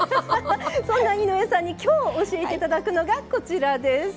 そんな井上さんに今日教えて頂くのがこちらです。